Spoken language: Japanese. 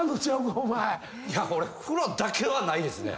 いや俺風呂だけはないですね。